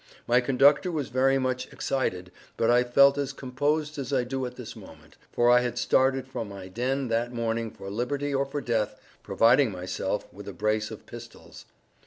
My Conductor was very much Excited, but I felt as Composed as I do at this moment, for I had started from my Den that morning for Liberty or for Death providing myself with a Brace of Pistels.